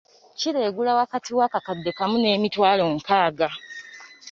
Kkiro egula wakati w’akakadde kamu n’emitwalo nkaaga.